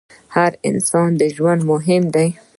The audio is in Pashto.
د هر انسان ژوند مهم دی.